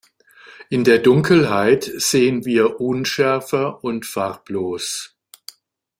In der Dunkelheit sehen wir unschärfer und farblos.